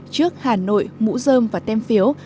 trước hà nội mũ dơm và tem phiếu